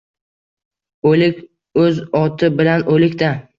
— O’lik — o‘z oti bilan o‘lik-da.